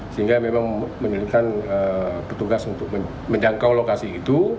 sehingga memang menyulitkan petugas untuk menjangkau lokasi itu